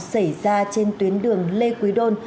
xảy ra trên tuyến đường lê quý đôn